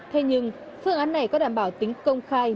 thế nhưng phương án này có đảm bảo tính công khai